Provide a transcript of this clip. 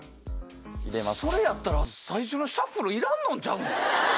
それやったら最初のシャッフルいらんのんちゃう？